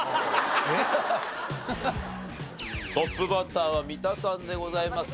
トップバッターは三田さんでございます。